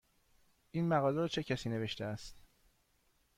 این مقاله را چه کسی نوشته است؟